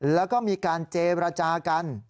แล้วก็มีการเจรจากัน